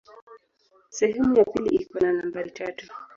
Sehemu ya pili iko na nambari tatu.